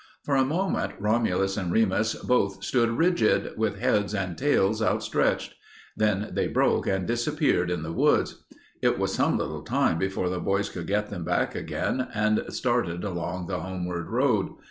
For a moment Romulus and Remus both stood rigid, with heads and tails outstretched. Then they broke and disappeared in the woods. It was some little time before the boys could get them back again and started along the homeward road.